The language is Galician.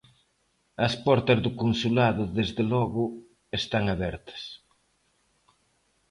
As portas do consulado desde logo están abertas.